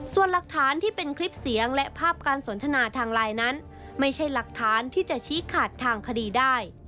ส่วนหลักฐานที่เป็นคลิปเสียงและภาพการสนทนาทางไลน์นั้นไม่ใช่หลักฐานที่จะชี้ขาดทางคดีได้